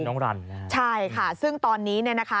สิ่งน้องรันนะครับใช่ค่ะซึ่งตอนนี้เนี่ยนะคะ